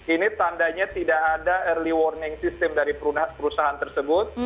ini tandanya tidak ada early warning system dari perusahaan tersebut